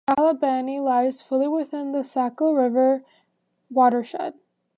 Albany lies fully within the Saco River watershed.